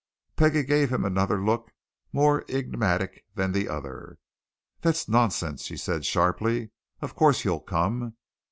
Peggie gave him another look, more enigmatic than the other. "That's nonsense!" she said sharply. "Of course, you'll come.